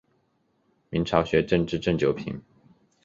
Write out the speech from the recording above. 明朝学正秩正九品。